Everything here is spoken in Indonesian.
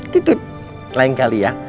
tidur lain kali ya